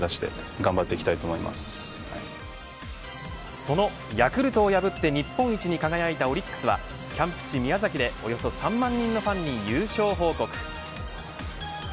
そのヤクルトをやぶって日本一に輝いたオリックスはキャンプ地宮崎でおよそ３万人のファンに優勝を報告。